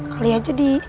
kali aja di